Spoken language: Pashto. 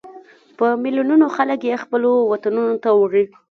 په ملیونونو خلک یې خپلو وطنونو ته وړي.